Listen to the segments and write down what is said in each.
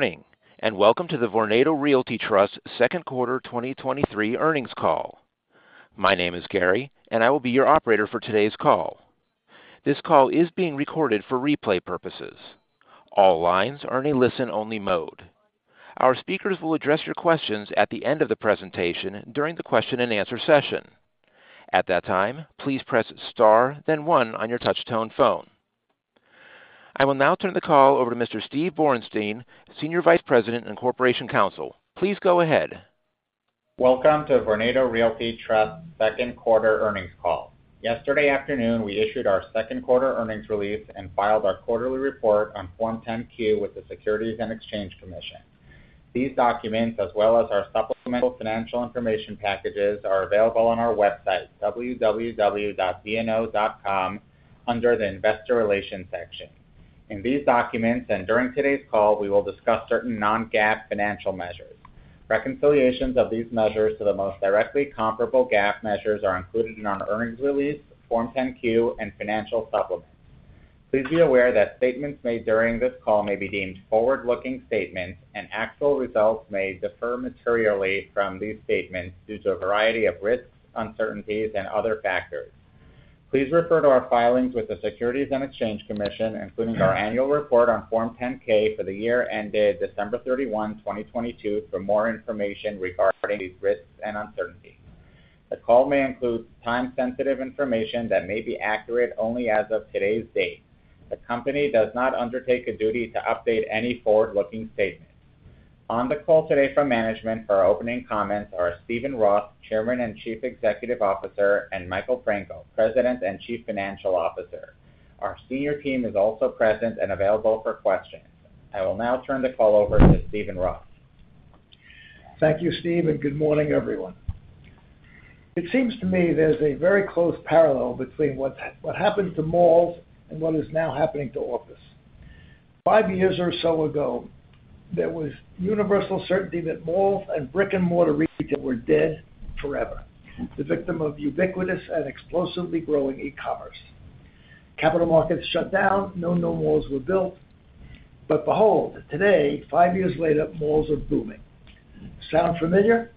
Good morning, and welcome to the Vornado Realty Trust Q2 2023 earnings call. My name is Gary, and I will be your operator for today's call. This call is being recorded for replay purposes. All lines are in a listen-only mode. Our speakers will address your questions at the end of the presentation during the question and answer session. At that time, please press Star, then one on your touchtone phone. I will now turn the call over to Mr. Steve Borenstein, Senior Vice President and Corporation Counsel. Please go ahead. Welcome to Vornado Realty Trust Q2 Earnings Call. Yesterday afternoon, we issued our Q2 earnings release and filed our quarterly report on Form 10-Q with the Securities and Exchange Commission. These documents, as well as our supplemental financial information packages, are available on our website, www.vno.com, under the Investor Relations section. In these documents, and during today's call, we will discuss certain non-GAAP financial measures. Reconciliations of these measures to the most directly comparable GAAP measures are included in our earnings release, Form 10-Q, and financial supplements. Please be aware that statements made during this call may be deemed forward-looking statements, and actual results may differ materially from these statements due to a variety of risks, uncertainties, and other factors. Please refer to our filings with the Securities and Exchange Commission, including our annual report on Form 10-K for the year ended December 31, 2022 for more information regarding these risks and uncertainties. The call may include time-sensitive information that may be accurate only as of today's date. The company does not undertake a duty to update any forward-looking statements. On the call today from management, for our opening comments are Steven Roth, Chairman and Chief Executive Officer, and Michael Franco, President and Chief Financial Officer. Our senior team is also present and available for questions. I will now turn the call over to Steven Roth. Thank you, Steve, and good morning, everyone. It seems to me there's a very close parallel between what happened to malls and what is now happening to office. 5 years or so ago, there was universal certainty that malls and brick-and-mortar retail were dead forever, the victim of ubiquitous and explosively growing e-commerce. Capital markets shut down. No new malls were built. Behold, today, 5 years later, malls are booming. Sound familiar?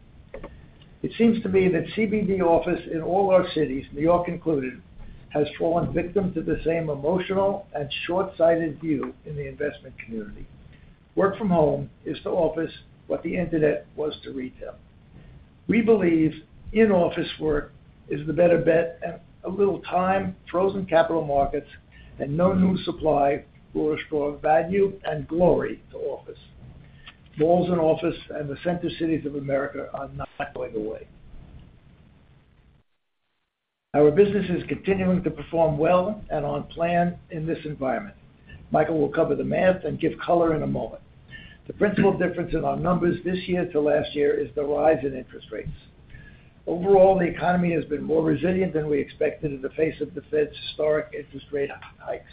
It seems to me that CBD office in all our cities, New York included, has fallen victim to the same emotional and short-sighted view in the investment community. Work from home is to office what the internet was to retail. We believe in-office work is the better bet. A little time, frozen capital markets, and no new supply will restore value and glory to office. Malls and office and the center cities of America are not going away. Our business is continuing to perform well and on plan in this environment. Michael will cover the math and give color in a moment. The principal difference in our numbers this year to last year is the rise in interest rates. Overall, the economy has been more resilient than we expected in the face of the Fed's historic interest rate hikes.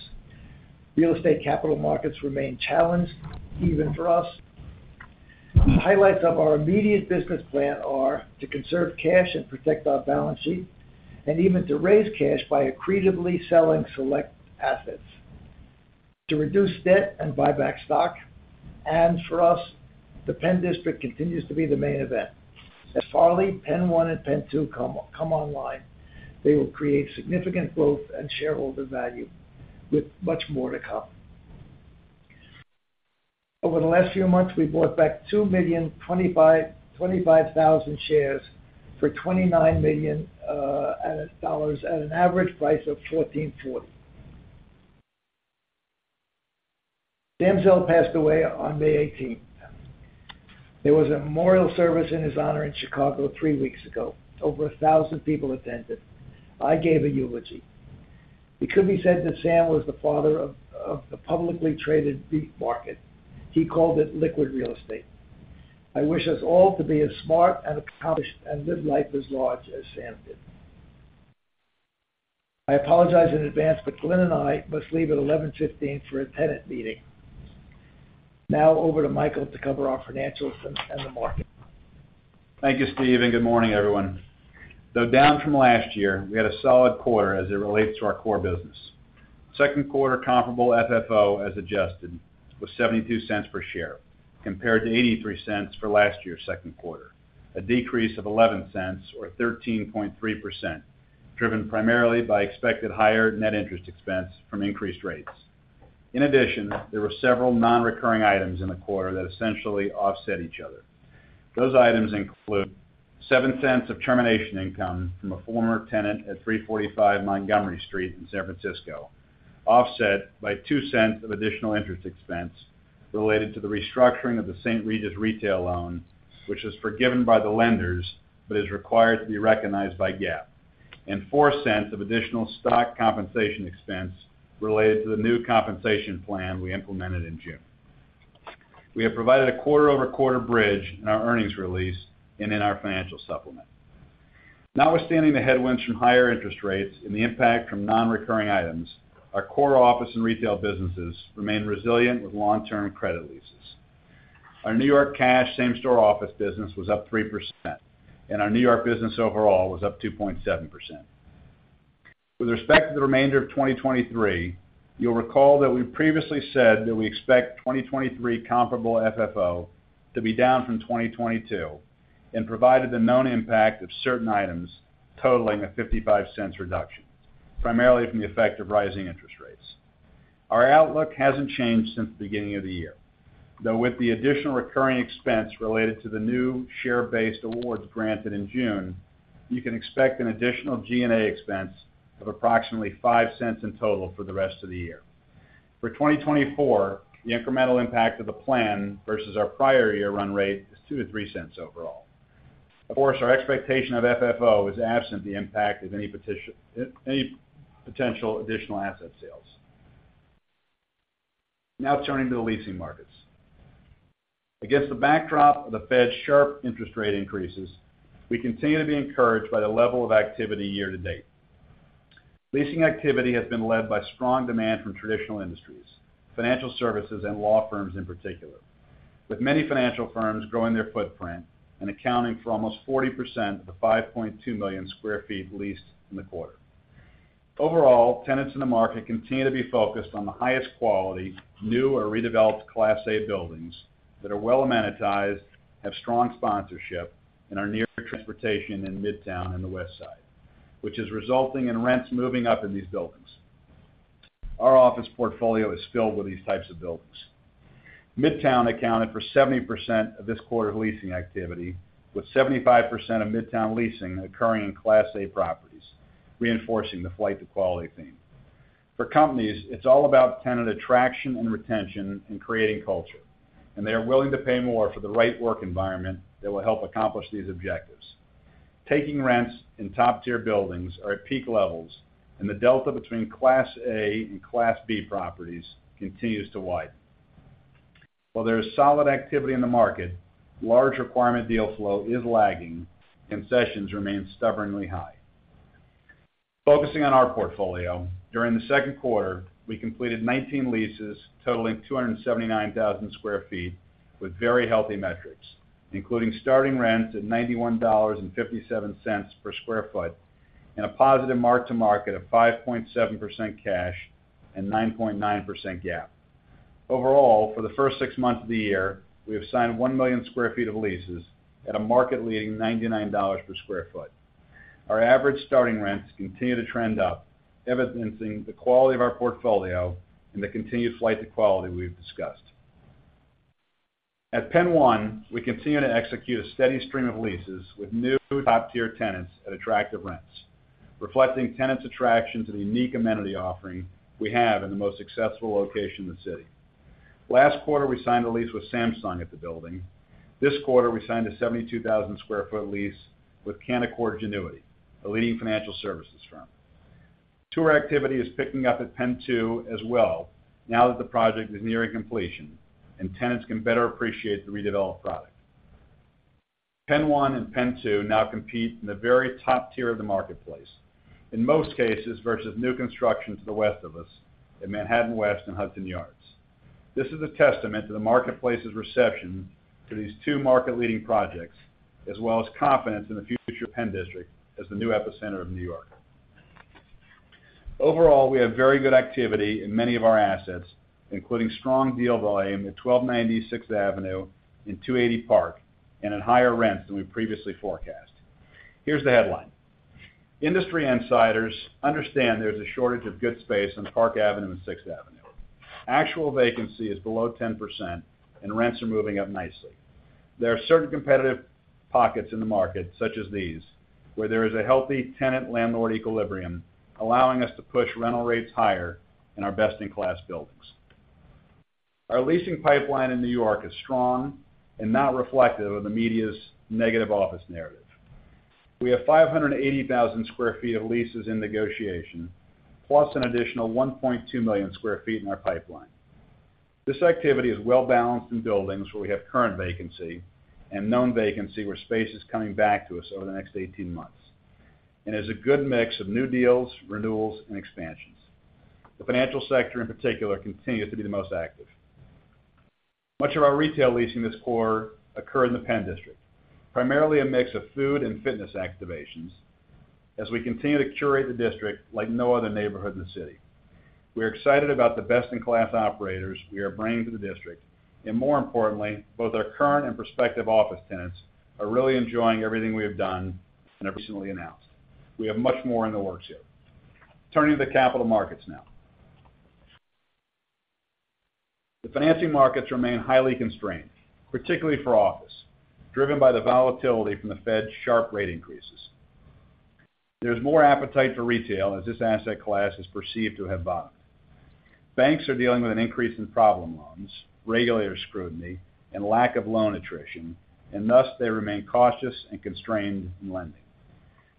Real estate capital markets remain challenged, even for us. Highlights of our immediate business plan are to conserve cash and protect our balance sheet, even to raise cash by accretively selling select assets, to reduce debt and buy back stock. For us, the Penn District continues to be the main event. As Farley, Penn One, and Penn Two come online, they will create significant growth and shareholder value, with much more to come. Over the last few months, we bought back 2,025,000 shares for $29 million dollars at an average price of $14.40. Sam Zell passed away on May 18th. There was a memorial service in his honor in Chicago 3 weeks ago. Over 1,000 people attended. I gave a eulogy. It could be said that Sam was the father of, of the publicly traded REIT market. He called it liquid real estate. I wish us all to be as smart and accomplished and live life as large as Sam did. I apologize in advance, but Glen and I must leave at 11:15 A.M. for a tenant meeting. Over to Michael to cover our financials and, and the market. Thank you, Steve, and good morning, everyone. Though down from last year, we had a solid quarter as it relates to our core business. Q2 comparable FFO, as adjusted, was $0.72 per share, compared to $0.83 for last year's Q2, a decrease of $0.11 or 13.3%, driven primarily by expected higher net interest expense from increased rates. In addition, there were several non-recurring items in the quarter that essentially offset each other. Those items include $0.07 of termination income from a former tenant at 345 Montgomery Street in San Francisco, offset by $0.02 of additional interest expense related to the restructuring of the St. Regis retail loan, which was forgiven by the lenders but is required to be recognized by GAAP, and $0.04 of additional stock compensation expense related to the new compensation plan we implemented in June. We have provided a quarter-over-quarter bridge in our earnings release and in our financial supplement. Notwithstanding the headwinds from higher interest rates and the impact from non-recurring items, our core office and retail businesses remain resilient with long-term credit leases. Our New York cash same-store office business was up 3%, and our New York business overall was up 2.7%. With respect to the remainder of 2023, you'll recall that we previously said that we expect 2023 comparable FFO to be down from 2022, and provided the known impact of certain items totaling a $0.55 reduction, primarily from the effect of rising interest rates. Our outlook hasn't changed since the beginning of the year, though, with the additional recurring expense related to the new share-based awards granted in June, you can expect an additional G&A expense of approximately $0.05 in total for the rest of the year. For 2024, the incremental impact of the plan versus our prior year run rate is $0.02 to 0.03 overall. Of course, our expectation of FFO is absent the impact of any potential additional asset sales. Now turning to the leasing markets. Against the backdrop of the Fed's sharp interest rate increases, we continue to be encouraged by the level of activity year-to-date. Leasing activity has been led by strong demand from traditional industries, financial services, and law firms in particular, with many financial firms growing their footprint and accounting for almost 40% of the 5.2 million sq ft leased in the quarter. Overall, tenants in the market continue to be focused on the highest quality, new or redeveloped Class A buildings that are well amenitized, have strong sponsorship, and are near transportation in Midtown and the West Side, which is resulting in rents moving up in these buildings. Our office portfolio is filled with these types of buildings. Midtown accounted for 70% of this quarter's leasing activity, with 75% of Midtown leasing occurring in Class A properties, reinforcing the flight to quality theme. For companies, it's all about tenant attraction and retention, and creating culture, and they are willing to pay more for the right work environment that will help accomplish these objectives. Taking rents in top-tier buildings are at peak levels, and the delta between Class A and Class B properties continues to widen. While there is solid activity in the market, large requirement deal flow is lagging, and sessions remain stubbornly high. Focusing on our portfolio, during the Q2, we completed 19 leases totaling 279,000 sq ft, with very healthy metrics, including starting rents at $91.57 per square foot, and a positive mark-to-market of 5.7% cash and 9.9% GAAP. Overall, for the first 6 months of the year, we have signed 1 million sq ft of leases at a market-leading $99 per square foot. Our average starting rents continue to trend up, evidencing the quality of our portfolio and the continued flight to quality we've discussed. At Penn One, we continue to execute a steady stream of leases with new top-tier tenants at attractive rents, reflecting tenants' attraction to the unique amenity offering we have in the most successful location in the city. Last quarter, we signed a lease with Samsung at the building. This quarter, we signed a 72,000 sq ft lease with Canaccord Genuity, a leading financial services firm. Tour activity is picking up at Penn Two as well now that the project is nearing completion, and tenants can better appreciate the redeveloped product. Penn One and Penn Two now compete in the very top tier of the marketplace, in most cases versus new construction to the west of us in Manhattan West and Hudson Yards. This is a testament to the marketplace's reception to these 2 market-leading projects, as well as confidence in the future Penn District as the new epicenter of New York. Overall, we have very good activity in many of our assets, including strong deal volume at 1290 Sixth Avenue and 280 Park, and at higher rents than we previously forecast. Here's the headline: Industry insiders understand there's a shortage of good space on Park Avenue and Sixth Avenue. Actual vacancy is below 10%, and rents are moving up nicely. There are certain competitive pockets in the market, such as these, where there is a healthy tenant-landlord equilibrium, allowing us to push rental rates higher in our best-in-class buildings. Our leasing pipeline in New York is strong and not reflective of the media's negative office narrative. We have 580,000 sq ft of leases in negotiation, plus an additional 1.2 million sq ft in our pipeline. This activity is well balanced in buildings where we have current vacancy and known vacancy, where space is coming back to us over the next 18 months, and is a good mix of new deals, renewals, and expansions. The financial sector, in particular, continues to be the most active. Much of our retail leasing this quarter occur in the Penn District, primarily a mix of food and fitness activations, as we continue to curate the district like no other neighborhood in the city. We're excited about the best-in-class operators we are bringing to the district, and more importantly, both our current and prospective office tenants are really enjoying everything we have done and have recently announced. We have much more in the works here. Turning to the capital markets now. The financing markets remain highly constrained, particularly for office, driven by the volatility from the Fed's sharp rate increases. There's more appetite for retail, as this asset class is perceived to have bottomed. Banks are dealing with an increase in problem loans, regulatory scrutiny, and lack of loan attrition, and thus they remain cautious and constrained in lending.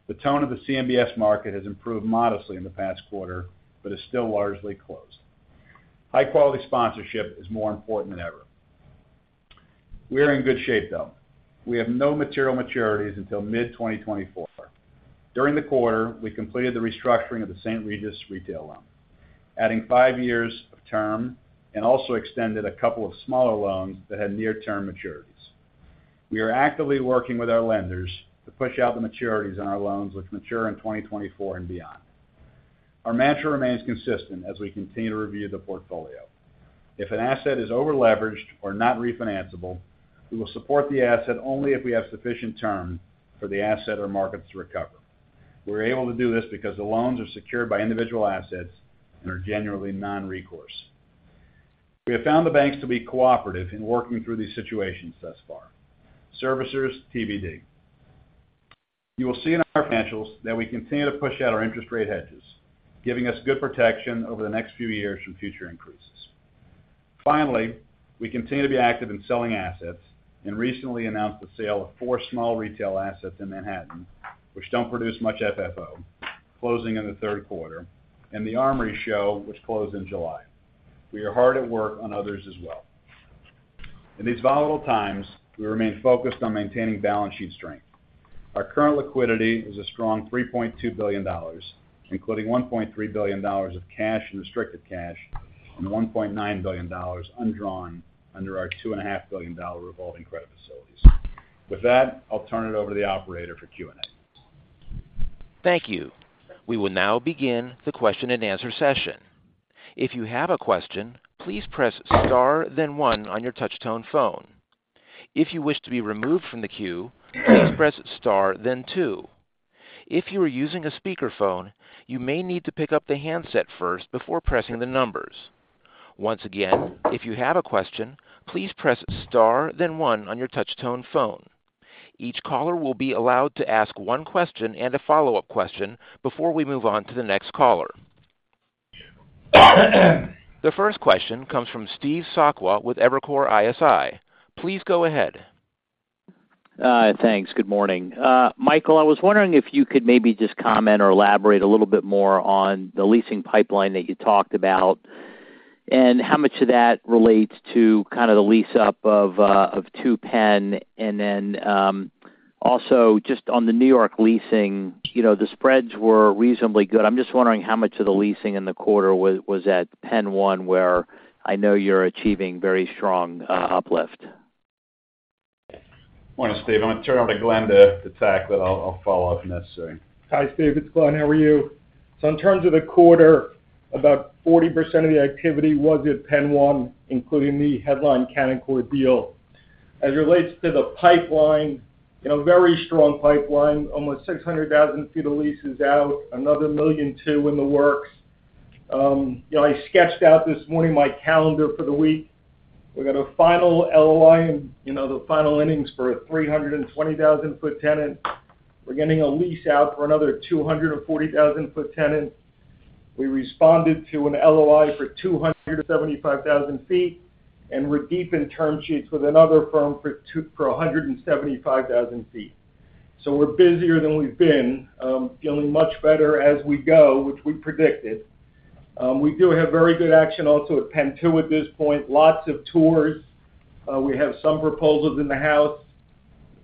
The tone of the CMBS market has improved modestly in the past quarter, but is still largely closed. High-quality sponsorship is more important than ever. We are in good shape, though. We have no material maturities until mid 2024. During the quarter, we completed the restructuring of the St. Regis retail loan, adding five years of term and also extended a couple of smaller loans that had near-term maturity. We are actively working with our lenders to push out the maturities on our loans, which mature in 2024 and beyond. Our mantra remains consistent as we continue to review the portfolio. If an asset is over-leveraged or not refinanceable, we will support the asset only if we have sufficient term for the asset or market to recover. We're able to do this because the loans are secured by individual assets and are generally non-recourse. We have found the banks to be cooperative in working through these situations thus far. Servicers, TBD. You will see in our financials that we continue to push out our interest rate hedges, giving us good protection over the next few years from future increases. Finally, we continue to be active in selling assets, and recently announced the sale of four small retail assets in Manhattan, which don't produce much FFO, closing in the Q3, and The Armory Show, which closed in July. We are hard at work on others as well. In these volatile times, we remain focused on maintaining balance sheet strength. Our current liquidity is a strong $3.2 billion, including $1.3 billion of cash and restricted cash, and $1.9 billion undrawn under our $2.5 billion revolving credit facilities. With that, I'll turn it over to the operator for Q&A. Thank you. We will now begin the question-and-answer session. If you have a question, please press star, then one on your touch tone phone. If you wish to be removed from the queue, please press star, then two. If you are using a speakerphone, you may need to pick up the handset first before pressing the numbers. Once again, if you have a question, please press star, then one on your touch tone phone. Each caller will be allowed to ask one question and a follow-up question before we move on to the next caller. The first question comes from Steve Sakwa with Evercore ISI. Please go ahead. Thanks. Good morning. Michael, I was wondering if you could maybe just comment or elaborate a little bit more on the leasing pipeline that you talked about, and how much of that relates to kind of the lease-up of Two Penn. Also, just on the New York leasing, you know, the spreads were reasonably good. I'm just wondering how much of the leasing in the quarter was at Penn One, where I know you're achieving very strong uplift. Morning, Steve. I'm gonna turn it over to Glen to tack, but I'll, I'll follow up if necessary. Hi, Steve. It's Glen. How are you? In terms of the quarter, about 40% of the activity was at Penn One, including the headline Canaccord deal. As it relates to the pipeline, you know, very strong pipeline, almost 600,000 feet of leases out, another 1.2 million in the works. You know, I sketched out this morning my calendar for the week. We've got a final LOI, you know, the final innings for a 320,000-foot tenant. We're getting a lease out for another 240,000-foot tenant. We responded to an LOI for 275,000 feet, and we're deep in term sheets with another firm for 175,000 feet. We're busier than we've been, feeling much better as we go, which we predicted. We do have very good action also at Penn Two at this point. Lots of tours. We have some proposals in the house.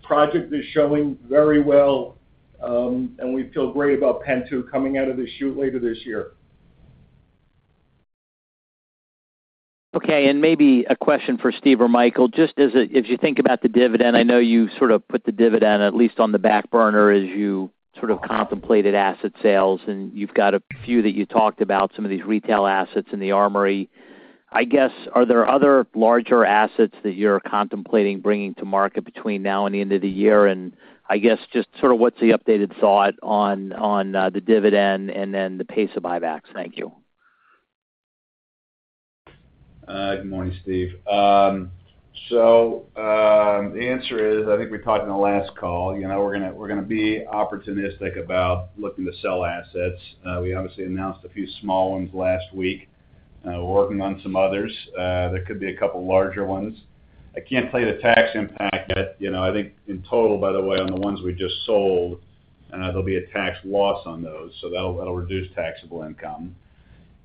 Project is showing very well. We feel great about Penn Two coming out of the chute later this year. Okay, maybe a question for Steve or Michael. Just as you think about the dividend, I know you sort of put the dividend, at least on the back burner, as you sort of contemplated asset sales, and you've got a few that you talked about, some of these retail assets in the Armory. I guess, are there other larger assets that you're contemplating bringing to market between now and the end of the year? I guess, just sort of what's the updated thought on the dividend and then the pace of buybacks? Thank you. Good morning, Steve. The answer is, I think we talked in the last call, you know, we're gonna, we're gonna be opportunistic about looking to sell assets. We obviously announced a few small ones last week. We're working on some others. There could be a couple larger ones. I can't play the tax impact yet. You know, I think in total, by the way, on the ones we just sold, there'll be a tax loss on those, so that'll, that'll reduce taxable income.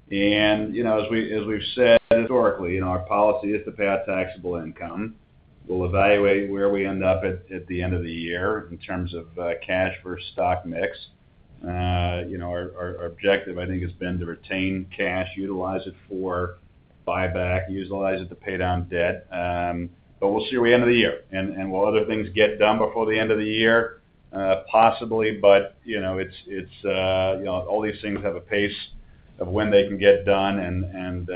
You know, as we've said historically, you know, our policy is to pay out taxable income. We'll evaluate where we end up at, at the end of the year in terms of cash versus stock mix. You know, our, our, our objective, I think, has been to retain cash, utilize it for buyback, utilize it to pay down debt. We'll see where we end of the year. Will other things get done before the end of the year? Possibly, but, you know, it's, it's... you know, all these things have a pace of when they can get done. And,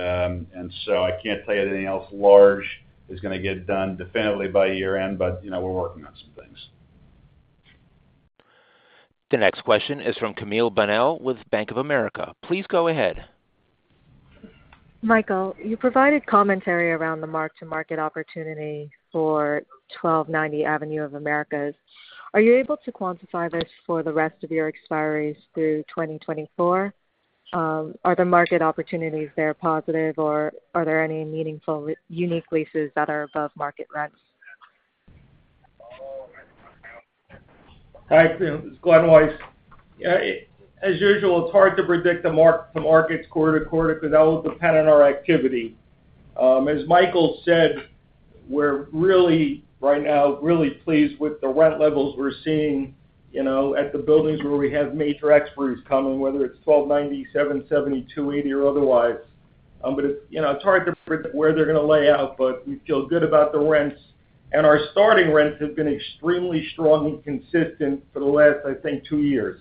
and so I can't tell you anything else large is gonna get done definitively by year-end, but, you know, we're working on some things. The next question is from Camille Bonnel with Bank of America. Please go ahead. Michael, you provided commentary around the mark-to-market opportunity for 1290 Avenue of the Americas. Are you able to quantify this for the rest of your expiries through 2024? Are the market opportunities there positive, or are there any meaningful unique leases that are above market rents? Hi, Camille, this is Glen Weiss. As usual, it's hard to predict the mark-to-markets quarter-to-quarter, because that will depend on our activity. As Michael said, we're really, right now, really pleased with the rent levels we're seeing, you know, at the buildings where we have major experts coming, whether it's 1290, 770, 280, or otherwise.... but it's, you know, it's hard to predict where they're going to lay out, but we feel good about the rents. Our starting rents have been extremely strong and consistent for the last, I think, 2 years.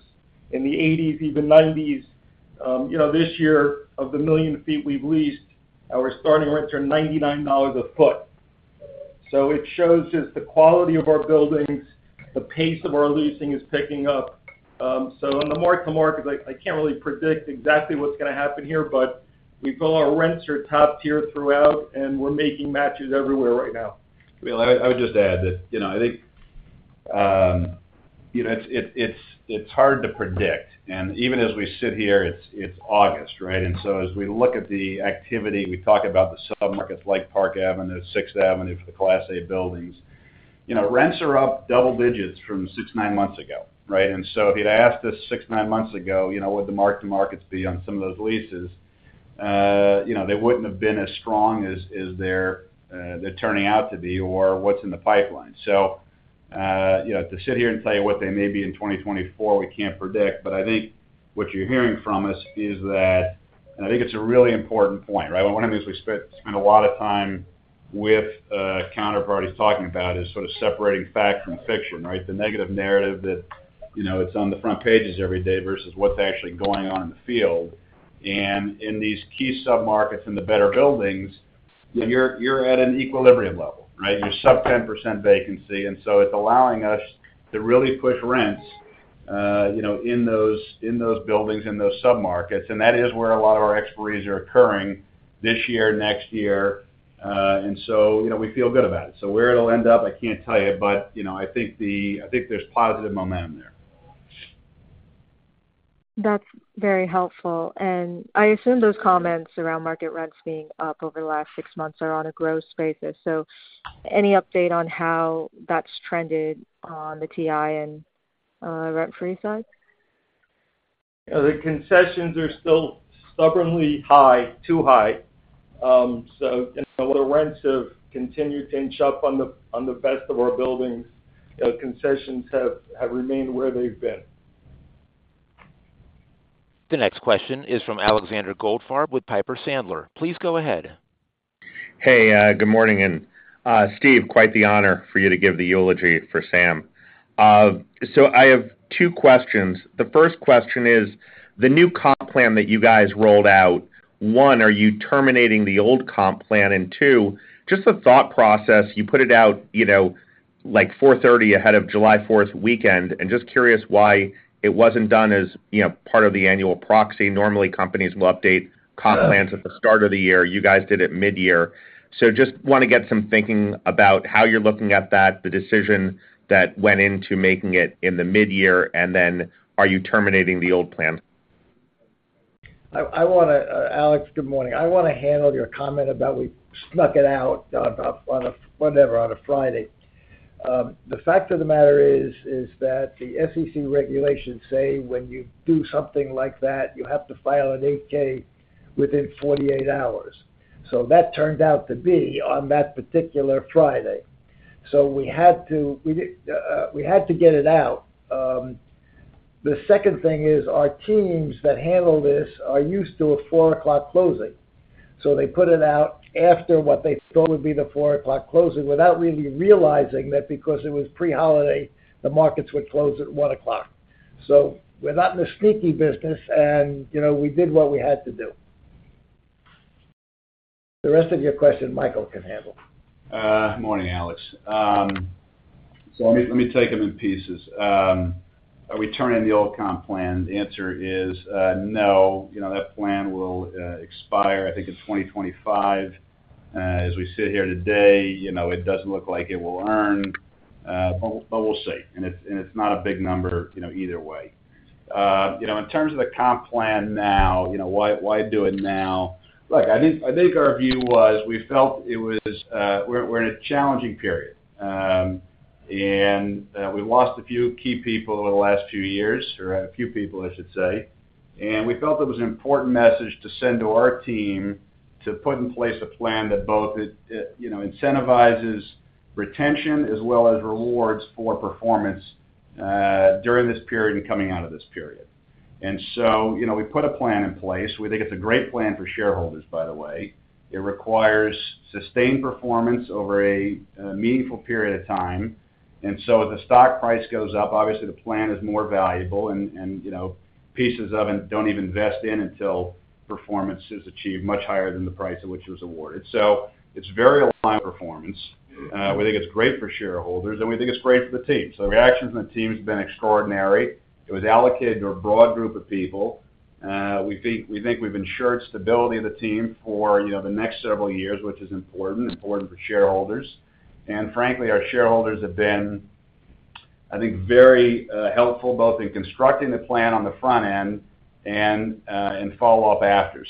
In the 80s, even 90s, you know, this year, of the 1 million feet we've leased, our starting rents are $99 a foot. It shows just the quality of our buildings, the pace of our leasing is picking up. On the mark-to-market, I, I can't really predict exactly what's going to happen here, but we feel our rents are top tier throughout, and we're making matches everywhere right now. Well, I, I would just add that, you know, I think, you know, it's, it's, it's hard to predict, and even as we sit here, it's, it's August, right? As we look at the activity, we talk about the submarkets like Park Avenue, Sixth Avenue for the Class A buildings. You know, rents are up double digits from six, nine months ago, right? If you'd asked us six, nine months ago, you know, what the mark-to-markets be on some of those leases, you know, they wouldn't have been as strong as, as they're, they're turning out to be or what's in the pipeline. You know, to sit here and tell you what they may be in 2024, we can't predict. I think what you're hearing from us is that, and I think it's a really important point, right? One of the things we spent, spend a lot of time with, counterparties talking about is sort of separating fact from fiction, right? The negative narrative that, you know, it's on the front pages every day versus what's actually going on in the field. In these key submarkets in the better buildings, you're, you're at an equilibrium level, right? You're sub 10% vacancy, and so it's allowing us to really push rents, you know, in those, in those buildings, in those submarkets. That is where a lot of our expiries are occurring this year, next year, and so, you know, we feel good about it. Where it'll end up, I can't tell you, but, you know, I think the-- I think there's positive momentum there. That's very helpful. I assume those comments around market rents being up over the last six months are on a gross basis. Any update on how that's trended on the TI and rent-free side? The concessions are still stubbornly high, too high. You know, the rents have continued to inch up on the, on the best of our buildings. The concessions have, have remained where they've been. The next question is from Alexander Goldfarb with Piper Sandler. Please go ahead. Hey, good morning. Steve, quite the honor for you to give the eulogy for Sam. I have two questions. The first question is, the new comp plan that you guys rolled out, one, are you terminating the old comp plan? Two, just the thought process, you put it out, you know, like 4:30 ahead of July Fourth weekend, just curious why it wasn't done as, you know, part of the annual proxy. Normally, companies will update comp plans at the start of the year. You guys did it mid-year. Just want to get some thinking about how you're looking at that, the decision that went into making it in the mid-year, and then are you terminating the old plan? I, I wanna, Alex, good morning. I wanna handle your comment about we snuck it out on a, on a, whenever, on a Friday. The fact of the matter is, is that the SEC regulations say when you do something like that, you have to file an 8-K within 48 hours. That turned out to be on that particular Friday. We had to, we did, we had to get it out. The second thing is our teams that handle this are used to a 4:00 closing. They put it out after what they thought would be the 4:00 closing, without really realizing that because it was pre-holiday, the markets would close at 1:00. We're not in the sneaky business, and, you know, we did what we had to do. The rest of your question, Michael can handle. Good morning, Alex. Let me, let me take them in pieces. Are we turning the old comp plan? The answer is, no. You know, that plan will expire, I think, in 2025. As we sit here today, you know, it doesn't look like it will earn, but, but we'll see. It's, and it's not a big number, you know, either way. You know, in terms of the comp plan now, you know, why, why do it now? Look, I think, I think our view was we felt it was, we're, we're in a challenging period. We lost a few key people in the last few years, or a few people, I should say. We felt it was an important message to send to our team to put in place a plan that both, you know, incentivizes retention as well as rewards for performance during this period and coming out of this period. You know, we put a plan in place. We think it's a great plan for shareholders, by the way. It requires sustained performance over a meaningful period of time. If the stock price goes up, obviously the plan is more valuable and, you know, pieces of it don't even vest in until performance is achieved much higher than the price at which it was awarded. It's very aligned performance. We think it's great for shareholders, and we think it's great for the team. The reactions from the team has been extraordinary. It was allocated to a broad group of people. We think, we think we've ensured stability of the team for, you know, the next several years, which is important, important for shareholders. Frankly, our shareholders have been, I think, very helpful, both in constructing the plan on the front end and follow up after.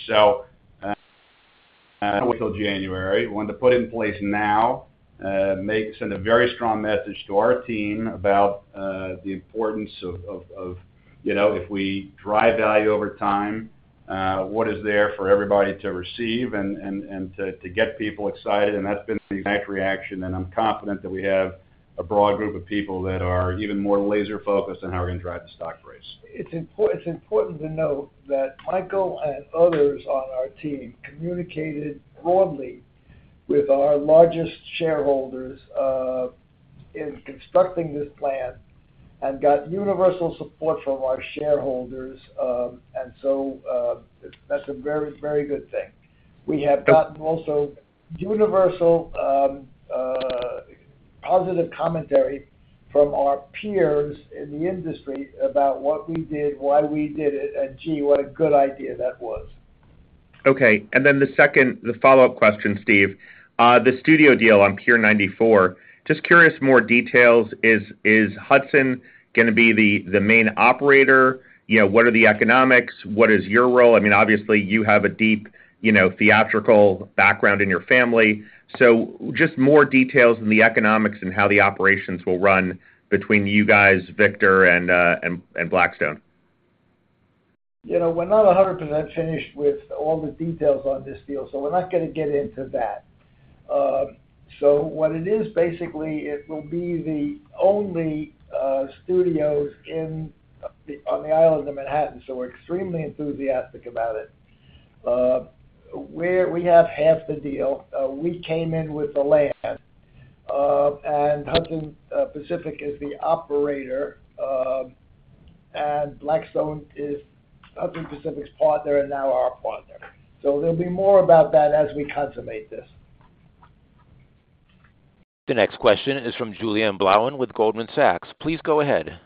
Until January, we want to put in place now, send a very strong message to our team about the importance of, you know, if we drive value over time, what is there for everybody to receive and to get people excited. That's been the exact reaction, and I'm confident that we have a broad group of people that are even more laser-focused on how we're going to drive the stock price. It's important to note that Michael and others on our team communicated broadly with our largest shareholders in constructing this plan and got universal support from our shareholders. That's a very, very good thing. We have gotten also universal positive commentary from our peers in the industry about what we did, why we did it, and gee, what a good idea that was. Okay, and then the second, the follow-up question, Steve. The studio deal on Pier 94, just curious, more details? Is Hudson gonna be the main operator? You know, what are the economics? What is your role? I mean, obviously, you have a deep, you know, theatrical background in your family. Just more details on the economics and how the operations will run between you guys, Victor, and Blackstone. You know, we're not 100% finished with all the details on this deal, so we're not gonna get into that. What it is, basically, it will be the only studios in, on the island of Manhattan, so we're extremely enthusiastic about it. We're we have half the deal. We came in with the land, and Hudson Pacific is the operator, and Blackstone is Hudson Pacific's partner and now our partner. There'll be more about that as we consummate this. The next question is from Julien Blouin with Goldman Sachs. Please go ahead.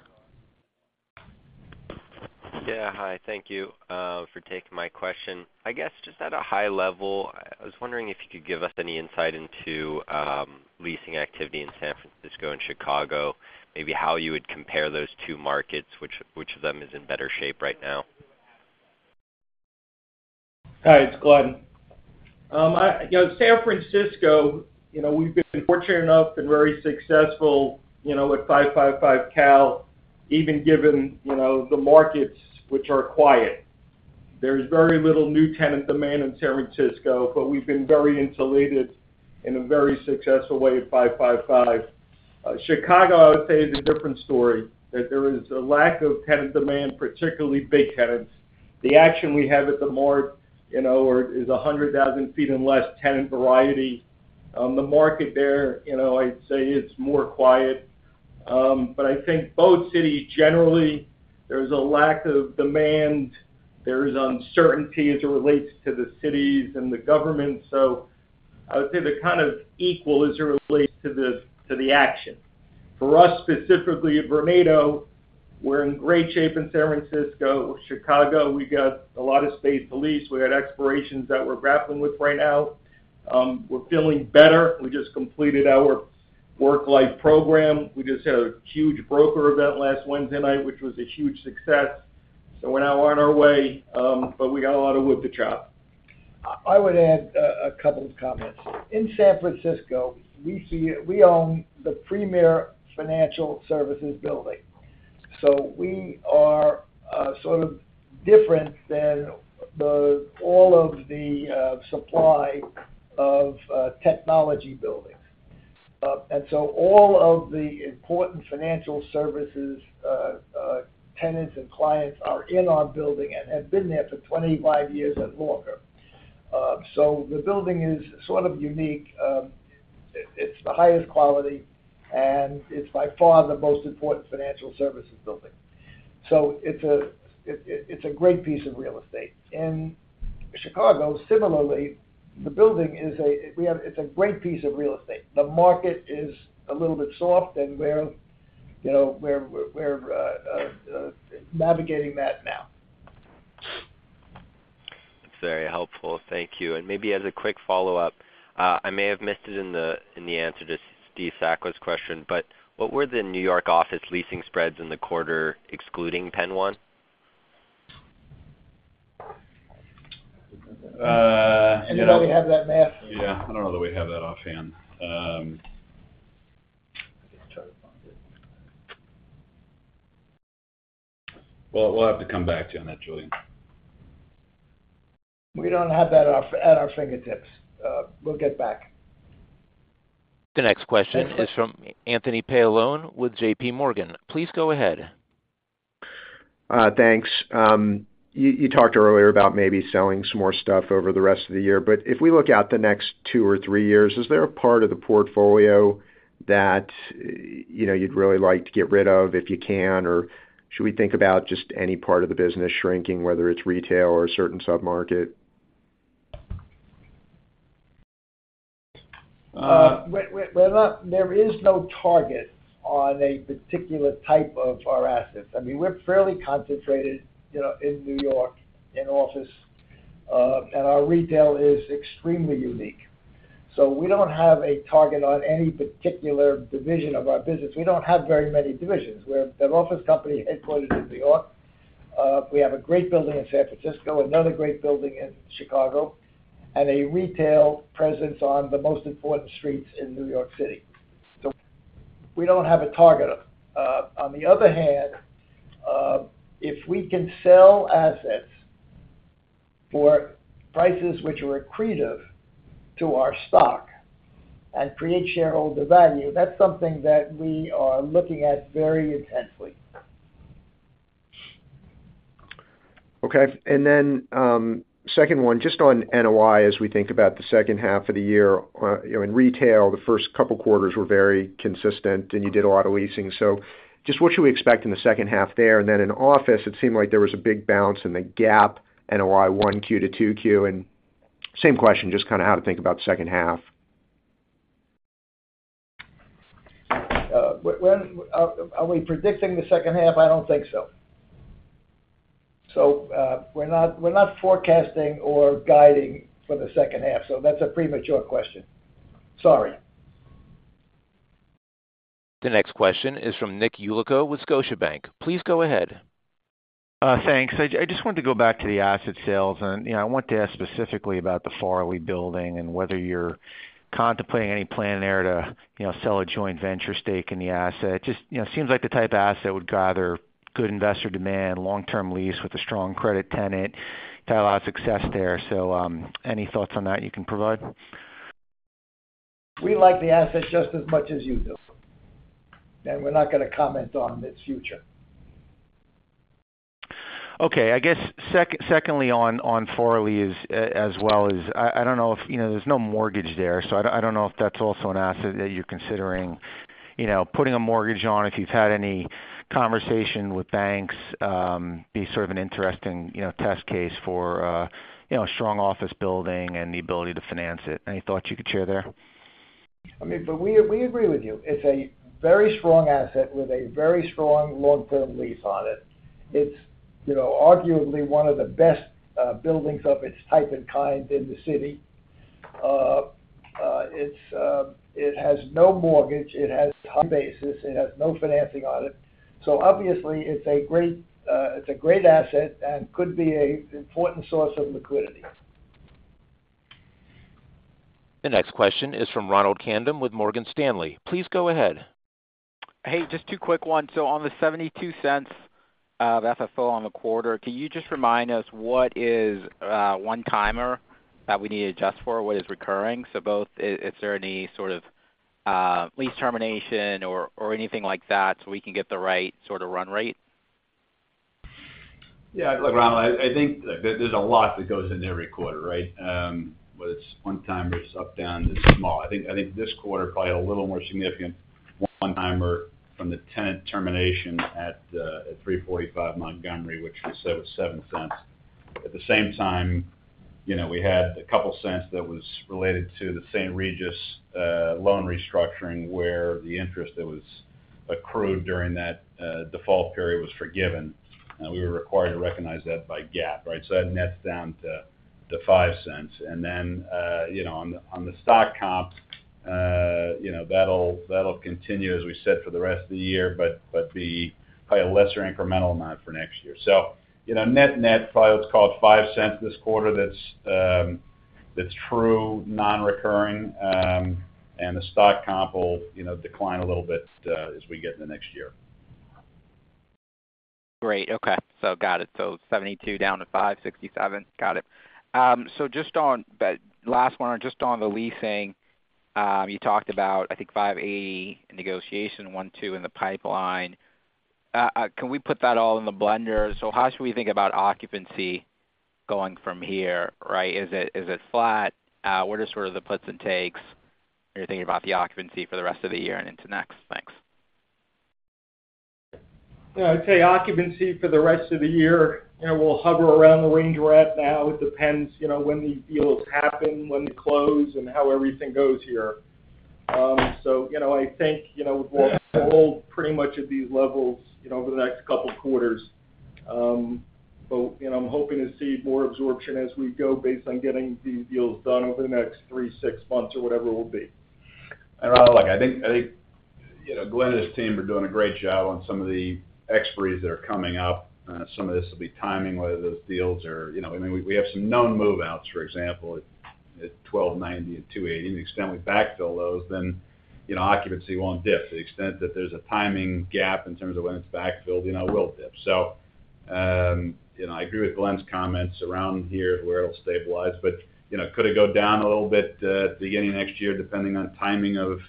Yeah, hi. Thank you, for taking my question. I guess, just at a high level, I was wondering if you could give us any insight into, leasing activity in San Francisco and Chicago. Maybe how you would compare those two markets, which, which of them is in better shape right now? Hi, it's Glen. You know, San Francisco, you know, we've been fortunate enough and very successful, you know, with 555 Cal, even given, you know, the markets, which are quiet. There's very little new tenant demand in San Francisco, but we've been very insulated in a very successful way at 555. Chicago, I would say, is a different story, that there is a lack of tenant demand, particularly big tenants. The action we have at the Mart, you know, or is 100,000 feet and less tenant variety. The market there, you know, I'd say it's more quiet, but I think both cities, generally, there's a lack of demand. There's uncertainty as it relates to the cities and the government. I would say they're kind of equal as it relates to the, to the action. For us, specifically at Vornado, we're in great shape in San Francisco. Chicago, we got a lot of state police. We had expirations that we're grappling with right now. We're feeling better. We just completed our work-life program. We just had a huge broker event last Wednesday night, which was a huge success. We're now on our way, but we got a lot of wood to chop. I, I would add a couple of comments. In San Francisco, we see. We own the premier financial services building, so we are sort of different than all of the supply of technology buildings. All of the important financial services tenants and clients are in our building and have been there for 25 years and longer. The building is sort of unique. It's the highest quality, and it's by far the most important financial services building. It's a great piece of real estate. In Chicago, similarly, the building is a great piece of real estate. The market is a little bit soft, and we're, you know, we're, we're navigating that now. That's very helpful. Thank you. Maybe as a quick follow-up, I may have missed it in the, in the answer to Steve Sakwa's question, but what were the New York office leasing spreads in the quarter, excluding Penn One? You know. Anybody have that, Matt? Yeah, I don't know that we have that offhand. Let me try to find it. Well, we'll have to come back to you on that, Julian. We don't have that off at our fingertips. We'll get back. The next question is from Anthony Paolone with JPMorgan. Please go ahead. Thanks. You, you talked earlier about maybe selling some more stuff over the rest of the year, but if we look out the next 2 or 3 years, is there a part of the portfolio that, you know, you'd really like to get rid of if you can? Should we think about just any part of the business shrinking, whether it's retail or a certain submarket? We're not-- There is no target on a particular type of our assets. I mean, we're fairly concentrated, you know, in New York, in office, and our retail is extremely unique. We don't have a target on any particular division of our business. We don't have very many divisions. We're an office company headquartered in New York. We have a great building in San Francisco, another great building in Chicago, and a retail presence on the most important streets in New York City. We don't have a target. On the other hand, if we can sell assets for prices which are accretive to our stock and create shareholder value, that's something that we are looking at very intensely. Okay, then, second one, just on NOI, as we think about the second half of the year. you know, in retail, the first couple quarters were very consistent, and you did a lot of leasing. Just what should we expect in the second half there? Then in office, it seemed like there was a big bounce in the gap, NOI 1Q to 2Q. Same question, just kinda how to think about second half. Are we predicting the second half? I don't think so. We're not, we're not forecasting or guiding for the second half, so that's a premature question. Sorry. The next question is from Nick Yulico with Scotiabank. Please go ahead. Thanks. I just wanted to go back to the asset sales, and, you know, I want to ask specifically about the Farley building and whether you're contemplating any plan there to, you know, sell a joint venture stake in the asset. You know, seems like the type of asset that would gather good investor demand, long-term lease with a strong credit tenant. You've had a lot of success there, so, any thoughts on that you can provide? We like the asset just as much as you do, we're not gonna comment on its future. Okay, I guess secondly, on Farley as well, I don't know if. You know, there's no mortgage there, so I don't, I don't know if that's also an asset that you're considering, you know, putting a mortgage on. If you've had any conversation with banks, be sort of an interesting, you know, test case for, you know, a strong office building and the ability to finance it. Any thoughts you could share there? I mean, we, we agree with you. It's a very strong asset with a very strong long-term lease on it. It's, you know, arguably one of the best buildings of its type and kind in the city. It has no mortgage, it has high basis, it has no financing on it. Obviously, it's a great, it's a great asset and could be a important source of liquidity. The next question is from Ronald Kamdem with Morgan Stanley. Please go ahead. Hey, just 2 quick ones. On the $0.72 of FFO on the quarter, can you just remind us what is a one-timer that we need to adjust for? What is recurring? Both, is there any sort of lease termination or anything like that, so we can get the right sort of run rate? Yeah, look, Ronald, I think there's a lot that goes into every quarter, right? Whether it's one-timers, up, down, it's small. I think this quarter, probably a little more significant one-timer from the tenant termination at 345 Montgomery Street, which we said was $0.07. At the same time, you know, we had $0.02 that was related to the St. Regis loan restructuring, where the interest that was accrued during that default period was forgiven, and we were required to recognize that by GAAP, right? That nets down to $0.05. Then, you know, on the, on the stock comp, you know, that'll continue, as we said, for the rest of the year, but be probably a lesser incremental amount for next year. you know, net-net, probably what's called $0.05 this quarter, that's, that's true, non-recurring, and the stock comp will, you know, decline a little bit, as we get in the next year. Great. Okay, got it. 72 down to 567. Got it. Last one, just on the leasing, you talked about, I think, 5 AE in negotiation, 1, 2 in the pipeline. Can we put that all in the blender? How should we think about occupancy going from here, right? Is it, is it flat? What are sort of the puts and takes, you're thinking about the occupancy for the rest of the year and into next? Thanks. Yeah, I'd say occupancy for the rest of the year, you know, we'll hover around the range we're at now. It depends, you know, when the deals happen, when they close, and how everything goes here. You know, I think, you know, we'll, we'll hold pretty much at these levels, you know, over the next couple quarters. You know, I'm hoping to see more absorption as we go, based on getting these deals done over the next 3, 6 months or whatever it will be. Ronald, look, I think, I think, you know, Glenn and his team are doing a great job on some of the expiries that are coming up. Some of this will be timing, whether those deals are... You know, I mean, we have some known move-outs, for example, at 1290 and 280. The extent we backfill those, then, you know, occupancy won't dip. To the extent that there's a timing gap in terms of when it's backfilled, you know, it will dip. You know, I agree with Glenn's comments around here, where it'll stabilize, but, you know, could it go down a little bit, beginning of next year, depending on timing of,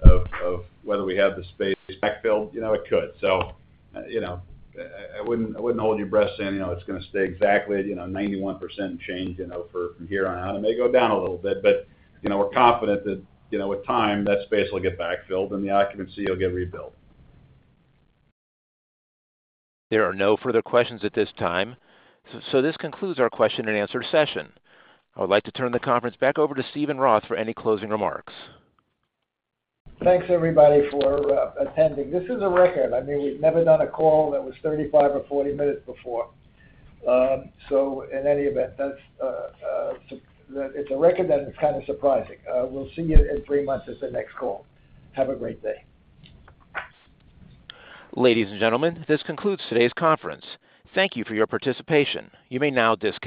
of, of whether we have the space backfilled? You know, it could. You know, I, I wouldn't, wouldn't hold your breath saying, you know, it's gonna stay exactly, you know, 91% and change, you know, for from here on out. It may go down a little bit, but, you know, we're confident that, you know, with time, that space will get backfilled, and the occupancy will get rebuilt. There are no further questions at this time. This concludes our question and answer session. I would like to turn the conference back over to Steven Roth for any closing remarks. Thanks, everybody, for attending. This is a record. I mean, we've never done a call that was 35 or 40 minutes before. In any event, that's, it's a record, and it's kind of surprising. We'll see you in 3 months as the next call. Have a great day. Ladies and gentlemen, this concludes today's conference. Thank you for your participation. You may now disconnect.